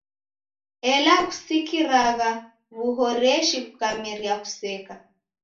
Ela kuskiragha w'uhoreshi kukameria kuseka.